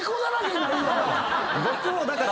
僕もだから。